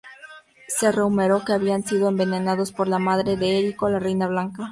Se rumoreó que habían sido envenenados por la madre de Erico, la reina Blanca.